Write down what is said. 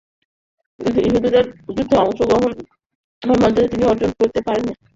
উহুদের যুদ্ধে অংশ গ্রহণের মর্যাদাও তিনি অর্জন করতে পারেননি।